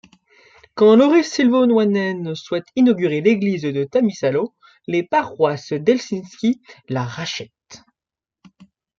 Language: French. Quand Lauri Silvennoinen souhaite inaugurer l'église de Tammisalo les paroisses d'Helsinki la rachètent.